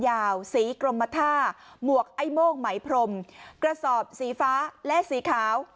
ยาวสีกรมท่าหมวกไอ้โม่งไหมพรมกระสอบสีฟ้าและสีขาว